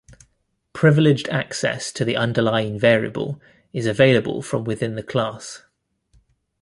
Privileged access to the underlying variable is available from within the class.